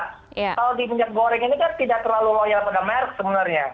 kalau di minyak goreng ini kan tidak terlalu loyal pada merek sebenarnya